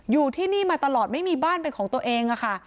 อยู่ที่นี่มาตลอดไม่มีบ้านเป็นของตัวเองค่ะ